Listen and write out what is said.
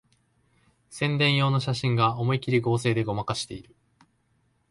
宣伝用の写真が思いっきり合成でごまかしてる